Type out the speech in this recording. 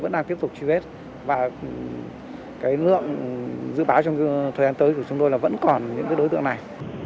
vẫn đang tiếp tục truy vết và cái lượng dự báo trong thời gian tới của chúng tôi là vẫn còn những cái đối tượng này